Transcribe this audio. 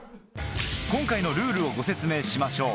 今回のルールをご説明しましょう。